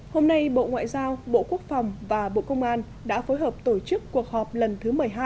hôm nay bộ ngoại giao bộ quốc phòng và bộ công an đã phối hợp tổ chức cuộc họp lần thứ một mươi hai